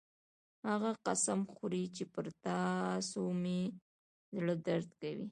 هغه قسم خوري چې پر تاسو مې زړه درد کوي